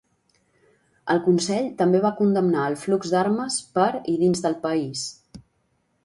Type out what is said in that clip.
El Consell també va condemnar el flux d'armes per i dins del país.